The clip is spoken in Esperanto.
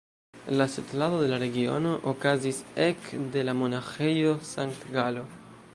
La setlado de la regiono okazis ek de la Monaĥejo Sankt-Galo.